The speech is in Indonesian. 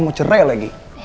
mau apa itulah